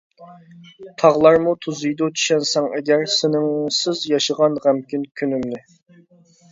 تاغلارمۇ توزۇيدۇ چۈشەنسەڭ ئەگەر، سېنىڭسىز ياشىغان غەمكىن كۈنۈمنى.